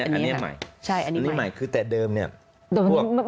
นี่มักไหมใช่อันนี้ใหม่คือแต่เดิมเนี่ยโดยค่อย